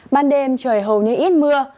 ban đêm trời hầu như ít mưa